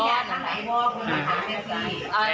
ชอบชอบงงดิ